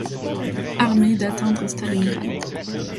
Armée d'atteindre Stalingrad.